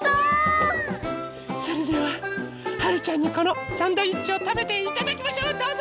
それでははるちゃんにこのサンドイッチをたべていただきましょうどうぞ！